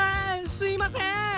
すいませーん！